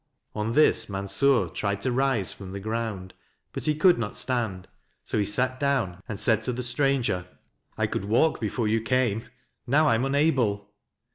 On this Mansur tried to rise from the ground, but he could not stand; so he sat down and said to the stranger: " I could walk before you came ; now I am unable."